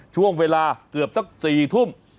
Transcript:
ช่วงเวลาเกือบสัก๔ทุ่ม